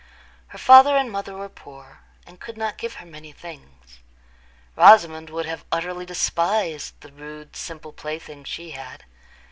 Her father and mother were poor, and could not give her many things. Rosamond would have utterly despised the rude, simple playthings she had.